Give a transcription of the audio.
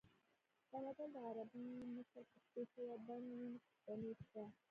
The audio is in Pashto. که متل د عربي مثل پښتو شوې بڼه وي نو پوښتنې شته